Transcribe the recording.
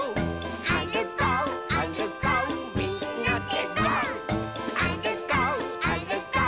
「あるこうあるこうみんなで」